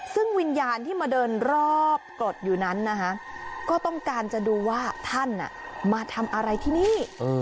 ซึ่งวิญญาณที่มาเดินรอบกรดอยู่นั้นนะคะก็ต้องการจะดูว่าท่านมาทำอะไรที่นี่